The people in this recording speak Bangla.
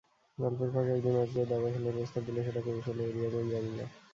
গল্পের ফাঁকে একদিন আজগর দাবা খেলার প্রস্তাব দিলে সেটা কৌশলে এড়িয়ে যান জামিলা।